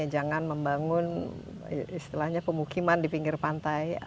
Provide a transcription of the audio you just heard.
jangan membangun istilahnya pemukiman di pinggir pantai